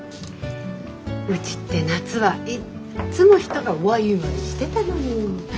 うちって夏はいっつも人がワイワイしてたのに。